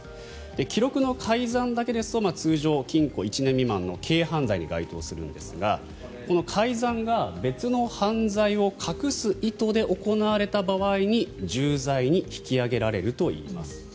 記録の改ざんだけですと通常、禁錮１年未満の軽犯罪に該当するんですがこの改ざんが別の犯罪を隠す意図で行われた場合に重罪に引き上げられるといいます。